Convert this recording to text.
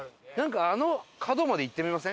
あの角まで行ってみません？